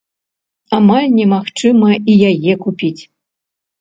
Амаль немагчыма і яе купіць.